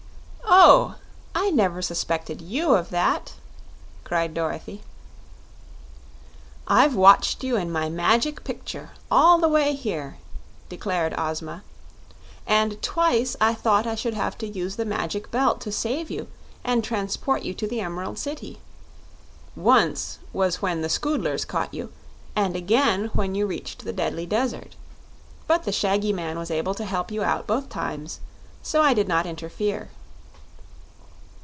"Oh! I never 'spected YOU of that," cried Dorothy. "I've watched you in my Magic Picture all the way here," declared Ozma, "and twice I thought I should have to use the Magic Belt to save you and transport you to the Emerald City. Once was when the Scoodlers caught you, and again when you reached the Deadly Desert. But the shaggy man was able to help you out both times, so I did not interfere."